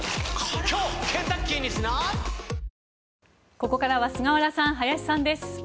ここからは菅原さん、林さんです。